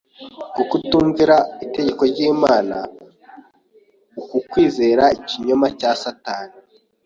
Uku kutumvira itegeko ry’Imana, uku kwizera ikinyoma cya Satani